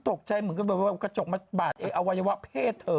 ตกใจหรือมึงกระจกมาบาดอวัยวะเพศเธอ